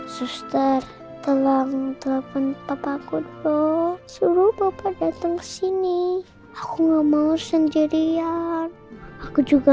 suster tolong telepon papaku dulu suruh bapak datang kesini aku nggak mau sendirian aku juga